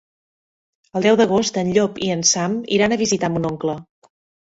El deu d'agost en Llop i en Sam iran a visitar mon oncle.